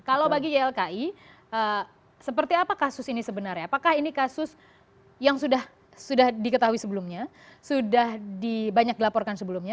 kalau bagi ylki seperti apa kasus ini sebenarnya apakah ini kasus yang sudah diketahui sebelumnya sudah banyak dilaporkan sebelumnya